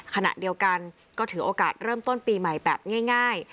ขณะเดียวกันก็ถือโอกาสเริ่มต้นปีใหม่แบบง่าย